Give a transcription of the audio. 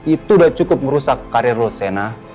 itu udah cukup merusak karir lo sienna